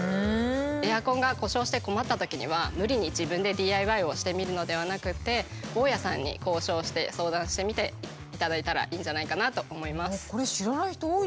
エアコンが故障して困ったときには無理に自分でＤＩＹをしてみるのではなくて大家さんに交渉して相談してみていただいたらいいんじゃないかなと思います。